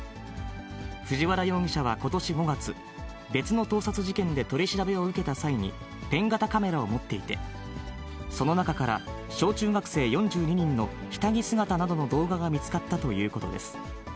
藤原容疑者はことし５月、別の盗撮事件で取り調べを受けた際に、ペン型カメラを持っていて、その中から小中学生４２人の下着姿などの動画が見つかったということです。